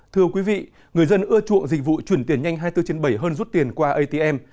thưa quý vị người dân ưa chuộng dịch vụ chuyển tiền nhanh hai mươi bốn trên bảy hơn rút tiền qua atm